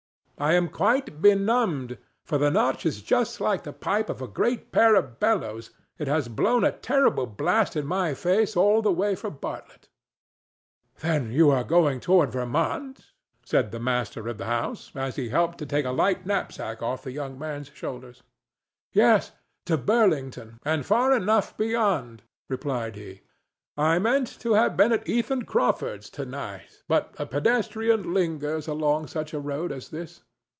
I am quite benumbed, for the Notch is just like the pipe of a great pair of bellows; it has blown a terrible blast in my face all the way from Bartlett." "Then you are going toward Vermont?" said the master of the house as he helped to take a light knapsack off the young man's shoulders. "Yes, to Burlington, and far enough beyond," replied he. "I meant to have been at Ethan Crawford's to night, but a pedestrian lingers along such a road as this.